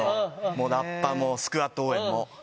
もう、ラッパのスクアット応援も。